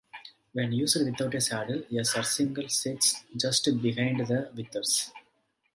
When used without a saddle, a surcingle sits just behind the withers.